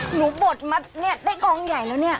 หนูบดมานี่ได้กล้องใหญ่แล้วนี่